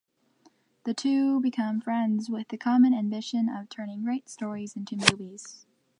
The two become friends with the common ambition of turning great stories into movies.